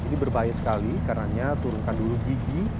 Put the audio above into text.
ini berbahaya sekali karenanya turunkan dulu gigi